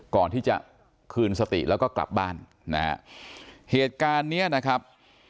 ก่อนที่จะคืนสติแล้วก็กลับบ้านนะฮะเหตุการณ์เนี้ยนะครับ